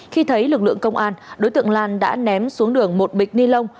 khi thấy lực lượng công an đối tượng lan đã ném xuống đường một bịch ni lông